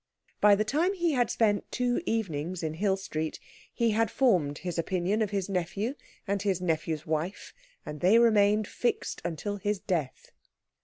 By the time he had spent two evenings in Hill Street he had formed his opinion of his nephew and his nephew's wife, and they remained fixed until his death.